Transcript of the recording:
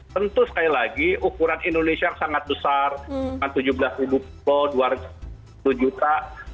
tentu sekali lagi ukuran indonesia sangat besar tujuh belas ribu po dua puluh juta